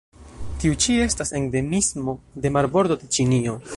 Tiu ĉi estas endemismo de marbordo de Ĉinio.